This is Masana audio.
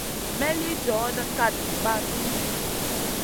May lï djoda kat basoun ɗi.